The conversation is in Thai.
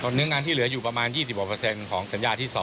เนื้องานที่เหลืออยู่ประมาณ๒๖ของสัญญาที่๒